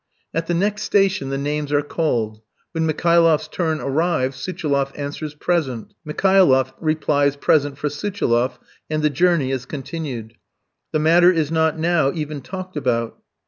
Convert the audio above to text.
At the next station the names are called. When Mikhailoff's turn arrives, Suchiloff answers "present," Mikhailoff replies "present" for Suchiloff, and the journey is continued. The matter is not now even talked about.